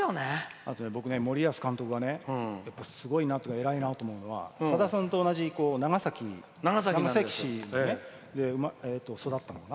あと僕、森保監督がすごいなっていうか偉いなと思うのはさださんと同じ長崎で育ったのかな。